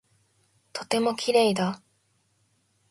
とても綺麗だ。